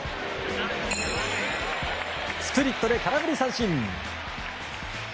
スプリットで空振り三振。